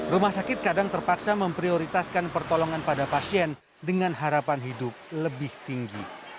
rumah sakit kadang terpaksa memprioritaskan pertolongan pada pasien dengan harapan hidup lebih tinggi